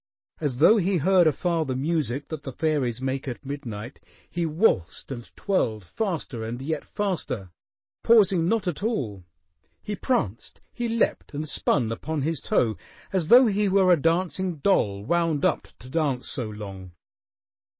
As though he heard afar the music that the fairies make at midnight, he waltzed and twirled faster and yet faster, pausing not at all. He pranced, he leaped and spun upon his toe as though he were a dancing doll wound up to dance so long.